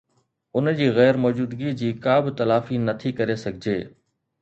ان جي غير موجودگيءَ جي ڪا به تلافي نه ٿي ڪري سگھجي